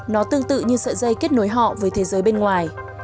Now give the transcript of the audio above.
nó tương tự như sợi dây kết nối họ với thế giới bên ngoài